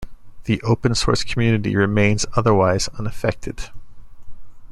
The open source community remains otherwise unaffected.